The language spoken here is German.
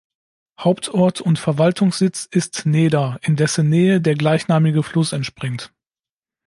Hauptort und Verwaltungssitz ist Neda, in dessen Nähe der gleichnamige Fluss entspringt.